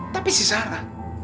tapi si sarah